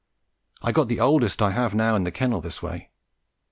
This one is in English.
I got the oldest I have now in the kennel in this way.